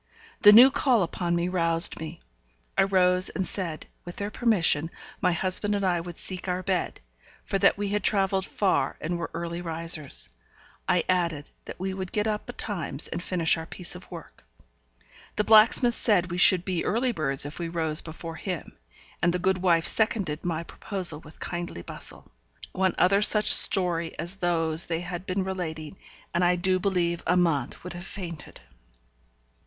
The new call upon me roused me. I rose and said, with their permission my husband and I would seek our bed, for that we had travelled far and were early risers. I added that we would get up betimes, and finish our piece of work. The blacksmith said we should be early birds if we rose before him; and the good wife seconded my proposal with kindly bustle. One other such story as those they had been relating, and I do believe Amante would have fainted.